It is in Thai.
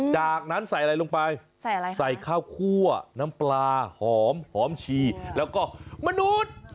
จากนั้นใส่อะไรลงไปใส่ข้าวคั่วน้ำปลาหอมหอมชีแล้วก็มนุษย์